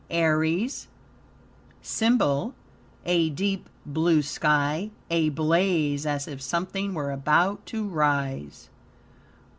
TABLET THE FIRST Aries SYMBOL A deep blue Sky, a blaze, as if something were about to rise.